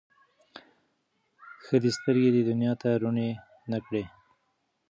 ښه دی سترګي دي دنیا ته روڼي نه کړې